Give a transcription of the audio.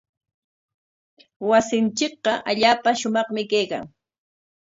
Wasinchikqa allaapa shumaqmi kaykan.